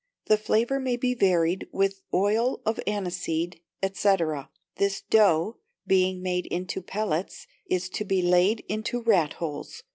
The flavour may be varied with oil of aniseed, &c. This dough, being made into pellets, is to be laid into rat holes.